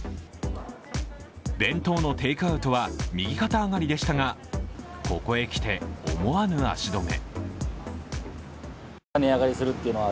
弁当のテイクアウトは右肩上がりでしたがここへ来て思わぬ足止め。